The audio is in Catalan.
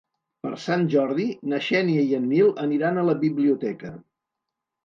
Per Sant Jordi na Xènia i en Nil aniran a la biblioteca.